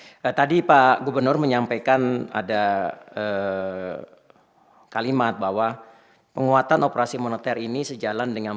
ya tadi pak gubernur menyampaikan ada kalimat bahwa penguatan operasi moneter ini sejalan dengan